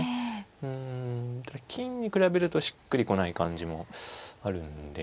うんただ金に比べるとしっくり来ない感じもあるんで。